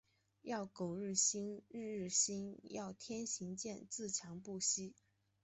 要苟日新，日日新。要天行健，自强不息。